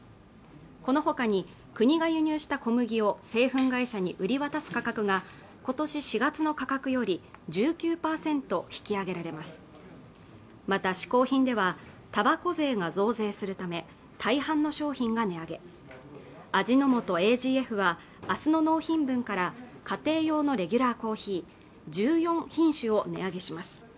このほかに国が輸入した小麦を製粉会社に売り渡す価格がことし４月の価格より１９％引き上げられますまた嗜好品ではたばこ税が増税するため大半の商品が値上げ味の素ＡＧＦは明日の納品分から家庭用のレギュラーコーヒー１４品種を値上げします